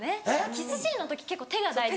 キスシーンの時結構手が大事。